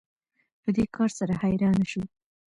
په دې کار سره حیرانه شو